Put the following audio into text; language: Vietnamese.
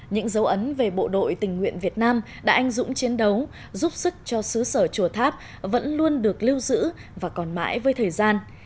những dấu ấn về bộ đội tình nguyện việt nam đã anh dũng chiến đấu giúp sức cho xứ sở chùa tháp vẫn luôn được lưu giữ và còn mãi với thời gian